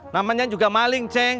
namanya juga maling ceng